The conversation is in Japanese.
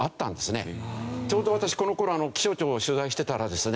ちょうど私この頃気象庁を取材してたらですね